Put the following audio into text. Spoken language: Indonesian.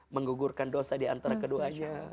menggugurkan dosa diantara keduanya